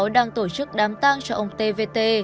đang tổ chức đám tăng cho ông t v t